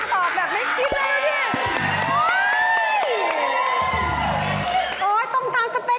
ตอบแบบไม่คิดเลยเนี่ย